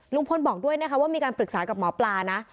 ลุงพลบอกด้วยนะคะว่ามีการปรึกษากับหมอปลานะ